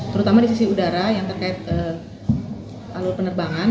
terutama di sisi udara yang terkait alur penerbangan